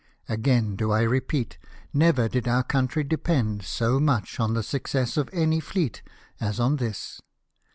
Again do I repeat, never did our country depend so much on the success of any fleet as on this.